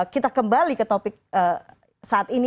kita kembali ke topik saat ini